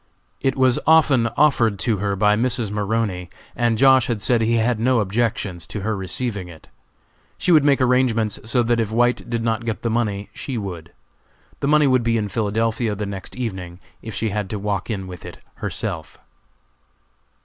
It was often offered to her by Mrs. Maroney, and Josh. had said he had no objections to her receiving it. She would make arrangements so that if White did not get the money, she would. The money would be in Philadelphia the next evening if she had to walk in with it herself.